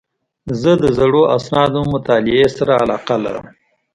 زه د زړو اسنادو مطالعې سره علاقه لرم.